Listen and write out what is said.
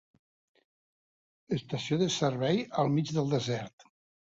Estació de servei al mig del desert.